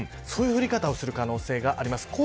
そういう降り方をする可能性があります。